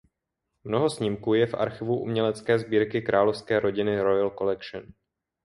Mnoho snímků je v archivu umělecké sbírky královské rodiny Royal Collection.